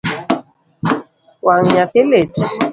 Wang’ nyathi lit?